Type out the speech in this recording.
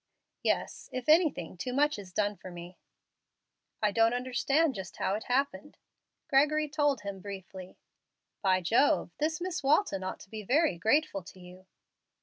"Yes; if anything, too much is done for me." "I don't understand just how it happened." Gregory told him briefly. "By Jove! this Miss Walton ought to be very grateful to you."